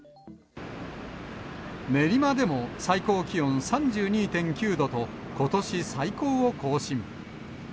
練馬でも、最高気温３２．９度と、ことし最高を更新。